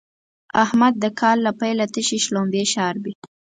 احمد د کال له پيله تشې شلومبې شاربي.